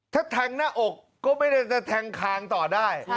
ถ้าแทงหน้าอกก็ไม่ได้จะแทงคางต่อได้